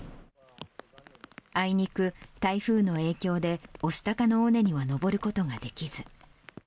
あいにく、台風の影響で、御巣鷹の尾根には登ることができず。